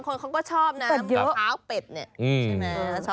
บางคนเขาก็ชอบน้ำกระเพาะเป็ดเนี่ยชอบมาก